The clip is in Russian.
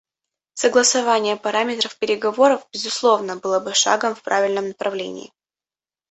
Согласование параметров переговоров, безусловно, было бы шагом в правильном направлении.